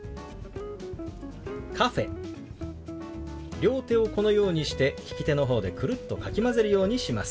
両手をこのようにして利き手の方でくるっとかき混ぜるようにします。